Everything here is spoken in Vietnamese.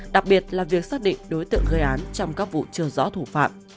đặc biệt là việc xác định đối tượng gây án trong các vụ chưa rõ thủ phạm